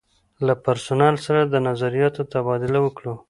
له پرسونل سره د نظریاتو تبادله وکړو.